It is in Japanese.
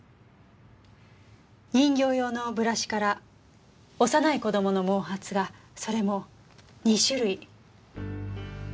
人形用のブラシから幼い子供の毛髪がそれも２種類。